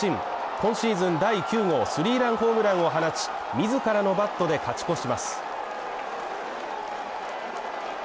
今シーズン第９号３ランホームランを放ち、自らのバットで勝ち越します。